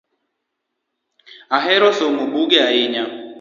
Ahero somo buge ahinya